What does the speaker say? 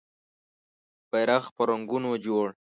بېرغ په رنګونو جوړ